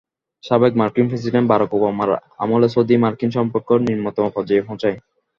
সাবেক মার্কিন president Barack ওবামার আমলে সৌদি মার্কিন সম্পর্ক নিম্নতম পর্যায়ে পৌঁছায়।